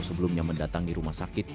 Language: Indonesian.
sebelumnya mendatangi rumah sakit